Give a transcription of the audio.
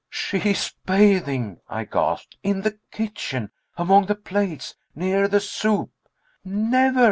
"She's bathing!" I gasped, "in the kitchen among the plates near the soup " "Never!"